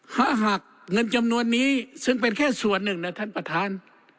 ถ้าหากเงินจำนวนนี้ซึ่งเป็นแค่ส่วนหนึ่งนะท่านประธาน